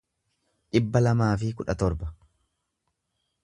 dhibba lamaa fi kudha torba